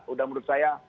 udah menurut saya